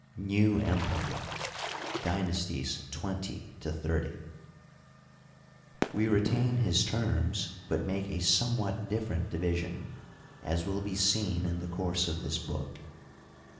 New Empire (Dynasties XX to XXX). ^ We retain his terms, but make a somewhat different division, as will be seen in the course of this book.